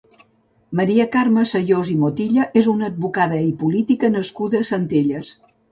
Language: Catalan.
Maria Carme Sayós i Motilla és una advocada i política nascuda a Centelles.